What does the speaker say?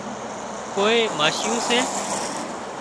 ڪوئي ماشيون سي